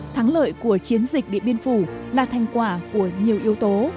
thắng lợi của chiến dịch điện biên phủ là thành quả của nhiều yếu tố